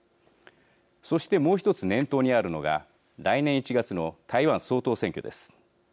そして、もう１つ念頭にあるのが来年１月の台湾総統選挙です。